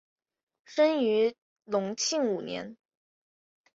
生于隆庆五年。